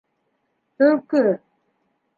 Төлкө.